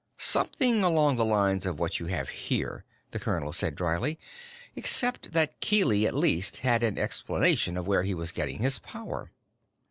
"Something along the lines of what you have here," the colonel said dryly, "except that Keely at least had an explanation for where he was getting his power.